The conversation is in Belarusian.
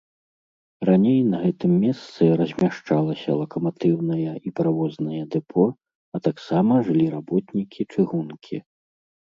Раней на гэтым месцы размяшчалася лакаматыўнае і паравознае дэпо, а таксама жылі работнікі чыгункі.